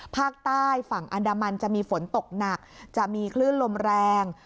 ภาคใต้ฝั่งอันดามันจะมีฝนตกหนักจะมีคลื่นลมแรง